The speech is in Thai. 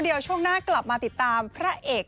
เดี๋ยวช่วงหน้ากลับมาติดตามพระเอก